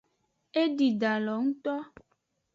Edi dalo ngto.